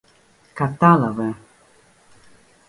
Κατάλαβε